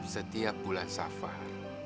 setiap bulan safar